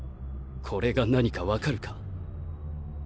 これが何かわかるか？